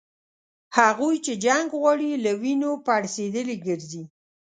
هغوی چي جنګ غواړي له وینو پړسېدلي ګرځي